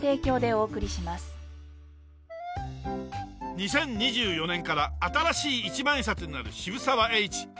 ２０２４年から新しい一万円札になる渋沢栄一。